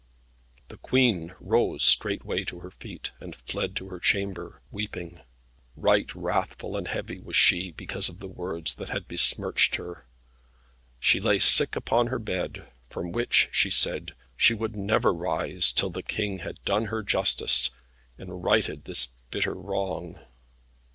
The Queen rose straightway to her feet, and fled to her chamber, weeping. Right wrathful and heavy was she, because of the words that had besmirched her. She lay sick upon her bed, from which, she said, she would never rise, till the King had done her justice, and righted this bitter wrong.